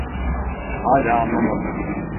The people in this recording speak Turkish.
Hala anlamadım.